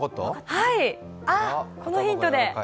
はい、このヒントで。